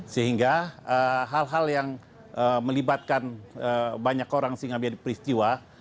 sehingga hal hal yang melibatkan banyak orang sehingga menjadi peristiwa